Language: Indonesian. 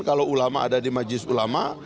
kalau ulama ada di majlis ulama